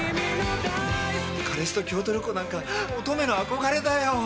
彼氏と京都旅行なんか乙女の憧れだよ。